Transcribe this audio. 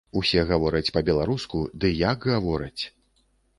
Усе гавораць па-беларуску, ды як гавораць!